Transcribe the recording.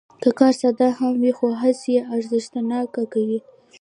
که کار ساده هم وي، خو هڅې یې ارزښتناکوي.